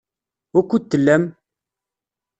Wukud tellam?